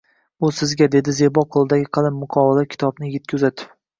-Bu sizga! – dedi Zebo qo’lidagi qalin muqovali kitobni yigitga uzatib.